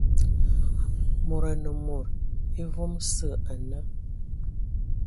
Mod anə mod evam sə ane..